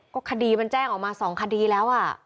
ก็คดีมันแจ้งออกมา๒คดีแล้ว